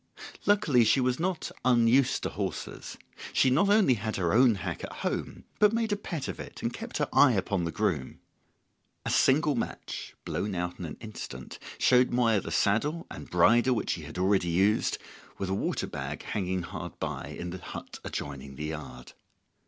Luckily she was not unused to horses. She not only had her own hack at home, but made a pet of it and kept her eye upon the groom. A single match, blown out in an instant, showed Moya the saddle and bridle which she had already used, with a water bag hanging hard by, in the hut adjoining the yard.